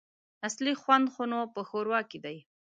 اصلي خوند خو نو په ښوروا کي دی !